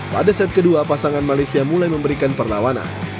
pada set kedua pasangan malaysia mulai memberikan perlawanan